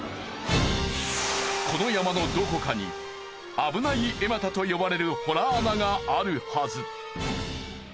この山のどこかにアブナイエマタと呼ばれる洞穴があるはず。